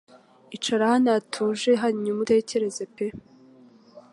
Icara ahantu hatuje hanyuma utekereze pe